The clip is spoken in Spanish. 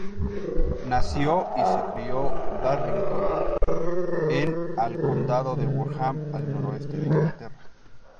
Nació y se crió Darlington, en al condado de Durham, al noreste de Inglaterra.